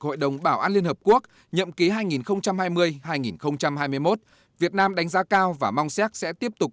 hội đồng bảo an liên hợp quốc nhậm ký hai nghìn hai mươi hai nghìn hai mươi một việt nam đánh giá cao và mong xác sẽ tiếp tục